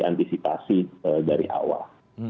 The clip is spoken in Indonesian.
antisipasi dari awal